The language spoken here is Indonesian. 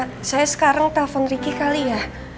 apa saya sekarang telfon ricky kali ya